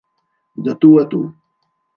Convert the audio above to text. De tu a tu.